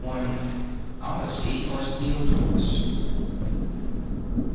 B. I HONESTY OR STEEL DOORS?